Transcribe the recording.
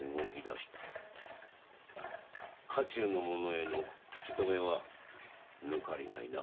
家中の者への口止め抜かりはないな！？